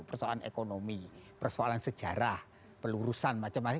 persoalan ekonomi persoalan sejarah pelurusan macam macam